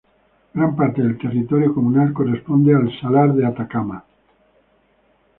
Gran parte del territorio comunal corresponde al salar de Atacama.